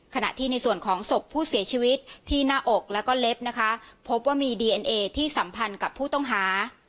ขณะที่ในส่วนของศพผู้เสียชีวิตที่หน้าอกแล้วก็เล็บนะคะพบว่ามีดีเอ็นเอที่สัมพันธ์กับผู้ต้องหา